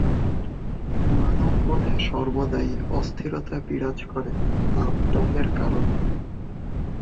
মানবমনে সর্বদাই অস্থিরতা বিরাজ করে তাপদাহের কারণে।